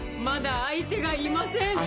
まだ相手がいません。